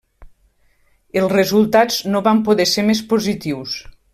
Els resultats no van poder ser més positius.